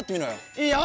いいよ！